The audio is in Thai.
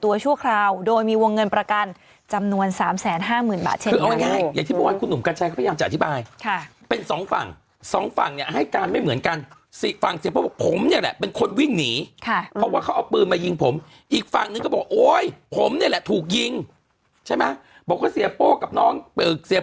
วันก่อนมันมีกล้องยังหาได้เป็นคดีร้ายยังหาได้เลย